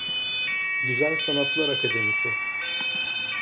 Güzel Sanatlar Akademisi.